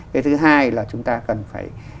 cái thứ hai là chúng ta cần phải